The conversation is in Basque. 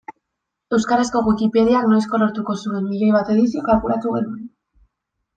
Euskarazko Wikipediak noizko lortuko zuen miloi bat edizio kalkulatu genuen.